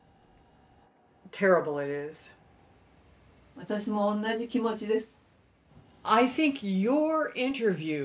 私も同じ気持ちです。